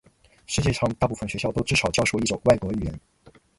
世界上大部分学校都至少教授一种外国语言。